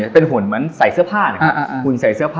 เป็นหุ่นเหมือนใส่เสื้อผ้า